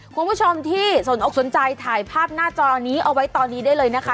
คุณผู้ชมที่สนอกสนใจถ่ายภาพหน้าจอนี้เอาไว้ตอนนี้ได้เลยนะคะ